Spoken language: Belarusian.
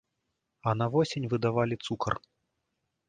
А на восень выдавалі цукар.